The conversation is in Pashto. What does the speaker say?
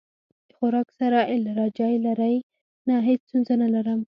د خوراک سره الرجی لرئ؟ نه، هیڅ ستونزه نه لرم